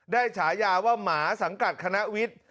ฉายาว่าหมาสังกัดคณะวิทย์